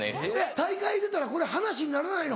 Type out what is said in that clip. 大会出たらこれ話にならないの？